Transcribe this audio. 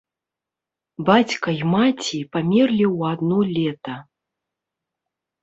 Бацька і маці памерлі ў адно лета.